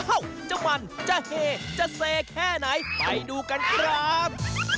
จะมันจะเฮจะเซแค่ไหนไปดูกันครับ